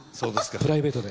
プライベートで。